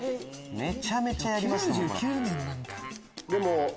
めちゃめちゃやりましたもん。